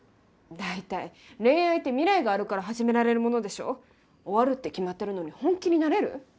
大体恋愛って未来があるから始められるものでしょ終わるって決まってるのに本気になれる？